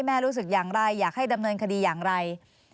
รู้สึกอย่างไรอยากให้ดำเนินคดีอย่างไร